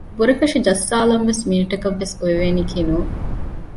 ބުރަކަށި ޖައްސާލަންވެސް މިނެޓަކަށް ވެސް އޮވެވެނީކީ ނޫން